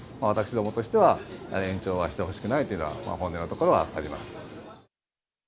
私どもとしては、延長はしてほしくないというのは、本音のところはあります。